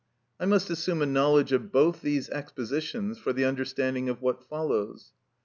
I must assume a knowledge of both these expositions for the understanding of what follows.